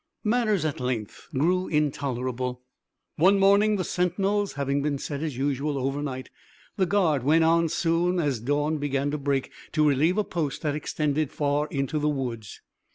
Matters at length grew intolerable. One morning, the sentinels having been set as usual overnight, the guard went as soon as dawn began to break to relieve a post that extended far into the woods.